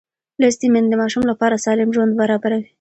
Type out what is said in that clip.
لوستې میندې د ماشوم لپاره سالم ژوند برابروي.